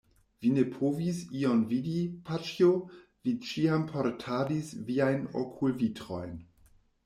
Vi ne povis ion vidi, paĉjo, vi ĉiam portadis viajn okulvitrojn.